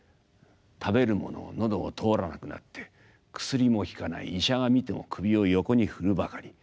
食べる物も喉を通らなくなって薬も効かない医者が診ても首を横に振るばかり。